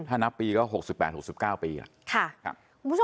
ถ้านับปีก็หกสิบแปดหกสิบเก้าปีค่ะค่ะคุณผู้ชม